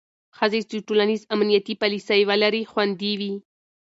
ښځې چې ټولنیز امنیتي پالیسۍ لري، خوندي وي.